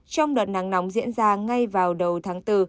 trong đợt nắng nóng diễn ra ngay vào đầu tháng bốn